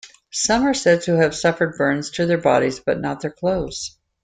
Some are said to have suffered burns to their bodies, but not their clothes.